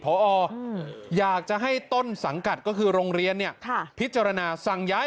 พออยากจะให้ต้นสังกัดก็คือโรงเรียนเนี่ยพิจารณาสั่งย้าย